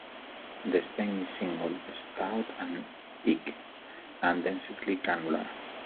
The stem is single, stout and thick, and densely glandular.